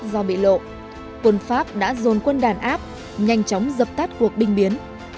do bị lộ quân pháp đã dồn quân đàn áp nhanh chóng dập tắt cuộc binh biến